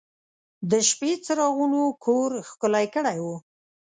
د شپې څراغونو کور ښکلی کړی و.